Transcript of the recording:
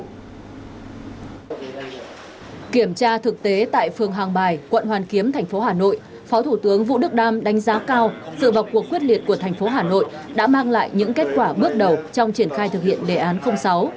kiểm tra thực tế tại phường hàng bài quận hoàn kiếm tp hà nội phó thủ tướng vũ đức đam đánh giá cao sự vọc cuộc quyết liệt của tp hà nội đã mang lại những kết quả bước đầu trong triển khai thực hiện đề án sáu